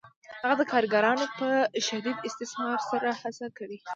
هغه د کارګرانو په شدید استثمار سره هڅه کوي